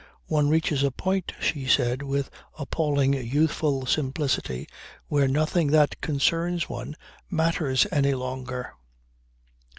One reaches a point, she said with appalling youthful simplicity, where nothing that concerns one matters any longer.